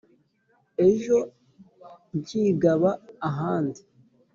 Ejo nkigaba ahandi,